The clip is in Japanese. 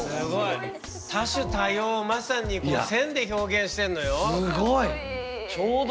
多種多様をまさにこの線で表現してんのよ。